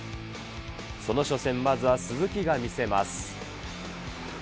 その初戦、まずは鈴木が見せます。